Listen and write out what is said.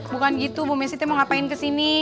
bukan gitu bu messite mau ngapain kesini